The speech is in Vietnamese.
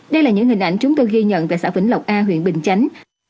đây là những hình ảnh chúng tôi ghi nhận tại xã vĩnh lộc a huyện bình chánh